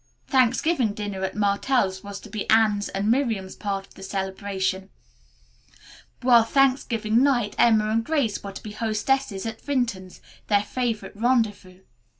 Thanksgiving dinner at Martell's was to be Anne's and Miriam's part of the celebration, while Thanksgiving night Emma and Grace were to be hostesses at Vinton's, their favorite rendezvous.